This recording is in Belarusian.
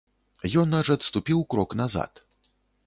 Ён аж адступіў крок назад.